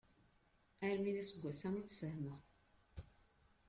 Armi d aseggas-a i tt-fehmeɣ.